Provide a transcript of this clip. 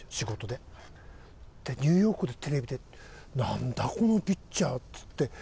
でニューヨークのテレビで「なんだ？このピッチャー」っつって。